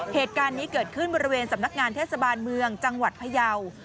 เหตุการณ์นี้เกิดขึ้นบริเวณสำนักงานเทศบาลเมืองจังหวัดพยาว